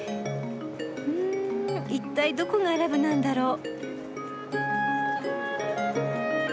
うん一体どこがアラブなんだろう？